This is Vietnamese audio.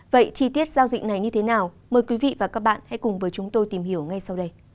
vậy chi tiết giao dịch này như thế nào mời quý vị và các bạn hãy cùng với chúng tôi tìm hiểu ngay sau đây